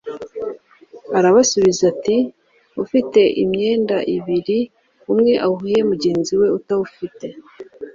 arabasubiza ati ufite imyenda ibiri umwe awuhe mugenzi we utawufite